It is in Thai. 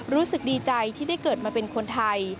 รู้สึกดีใจที่ได้เกิดมาเป็นคนไทย